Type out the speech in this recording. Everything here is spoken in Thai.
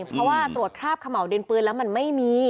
เพราะว่าตรวจคราบขม่าวดินปืนแล้วมันไม่มี